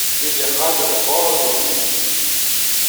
peder c'hador vras warn-ugent.